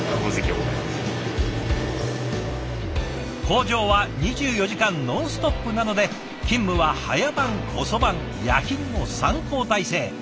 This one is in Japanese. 工場は２４時間ノンストップなので勤務は早番遅番夜勤の３交代制。